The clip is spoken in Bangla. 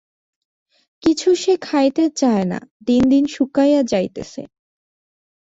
কিছু সে খাইতে চায় না, দিন দিন শুকাইয়া যাইতেছে।